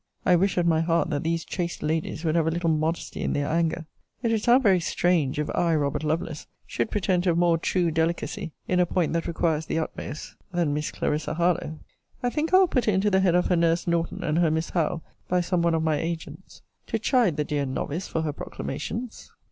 I wish, at my heart, that these chaste ladies would have a little modesty in their anger! It would sound very strange, if I Robert Lovelace should pretend to have more true delicacy, in a point that requires the utmost, than Miss Clarissa Harlowe. I think I will put it into the head of her nurse Norton, and her Miss Howe, by some one of my agents, to chide the dear novice for her proclamations.